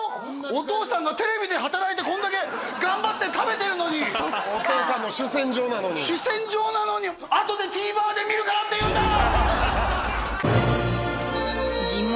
お父さんがテレビで働いてこんだけ頑張って食べてるのにお父さんの主戦場なのに主戦場なのに「あとでＴＶｅｒで見るから」って言うんだよ！